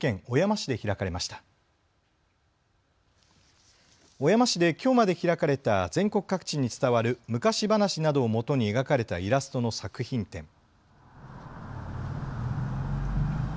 小山市できょうまで開かれた全国各地に伝わる昔話などをもとに描かれたイラストの作品展。